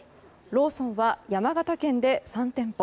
ローソンは山形県で３店舗